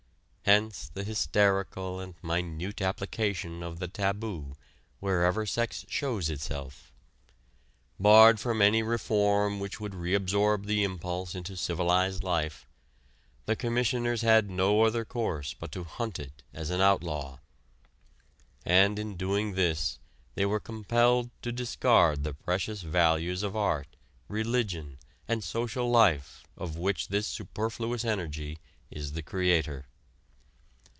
Hence the hysterical and minute application of the taboo wherever sex shows itself. Barred from any reform which would reabsorb the impulse into civilized life, the Commissioners had no other course but to hunt it, as an outlaw. And in doing this they were compelled to discard the precious values of art, religion and social life of which this superfluous energy is the creator.